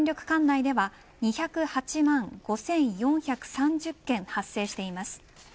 管内では２０８万５４３０軒発生しています。